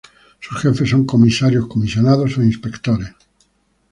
Sus Jefes son comisarios, comisionados o Inspectores.